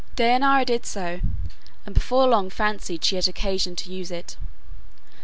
Dejanira did so and before long fancied she had occasion to use it.